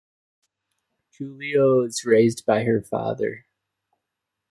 Julia was raised by her father.